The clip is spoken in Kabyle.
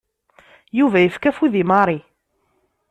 Yuba yefka afud i Mary.